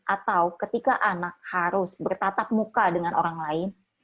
atau ketika anak harus bertatap muka dengan orang lain